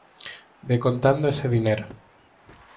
ve contando ese dinero.